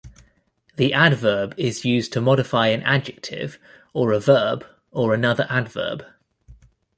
The adverb is used to modify an adjective, or a verb, or another adverb.